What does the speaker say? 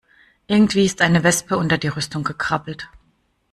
Irgendwie ist eine Wespe unter die Rüstung gekrabbelt.